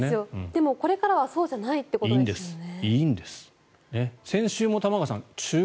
でもこれからはそうじゃないということですよね。